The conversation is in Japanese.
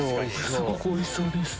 すごくおいしそうです。